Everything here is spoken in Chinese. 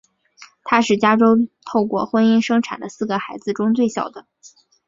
他是家中透过婚姻生产的四个孩子中最小的。